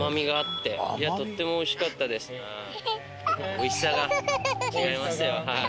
おいしさが違いますよはい。